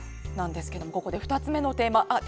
ですがここで２つ目のテーマ。